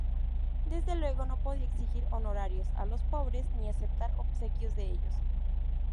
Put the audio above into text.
Desde luego no podía exigir honorarios a los pobres ni aceptar obsequios de ellos.